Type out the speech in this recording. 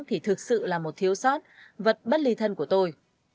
thì thực sự là một thiếu sót vật bất ly thân của tôi